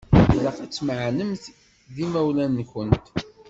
Ilaq ad tmeεnemt d yimawlan-nkent.